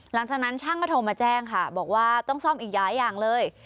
หลังจากนั้นช่างก็โทรมาแจ้งค่ะบอกว่าต้องซ่อมอีกหลายอย่างเลย